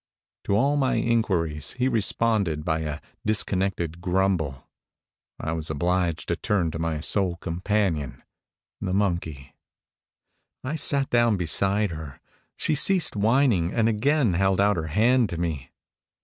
To all my inquiries he responded by a dis connected grumble. I was obliged to turn to my sole companion, the monkey. I sat down beside her ; she ceased whining, and again held out her hand to me.